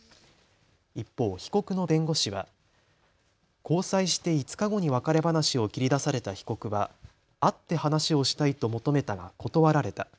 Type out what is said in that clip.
一方、被告の弁護士は交際して５日後に別れ話を切り出された被告は、会って話をしたいと求めたが断られた。